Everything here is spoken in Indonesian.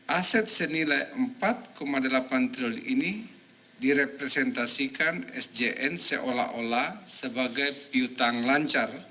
aset senilai empat delapan triliun ini direpresentasikan sjn seolah olah sebagai piutang lancar